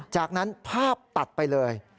จากนั้นภาพตัดไปเลย